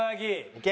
いけ！